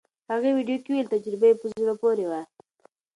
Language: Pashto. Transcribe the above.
هغې ویډیو کې وویل تجربه یې په زړه پورې وه.